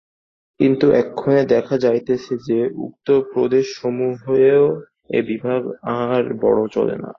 কিন্তু এক্ষণে দেখা যাইতেছে যে, উক্ত প্রদেশসমূহেও এ বিভাগ আর বড় চলে না।